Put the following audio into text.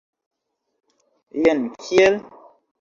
Jen kiel?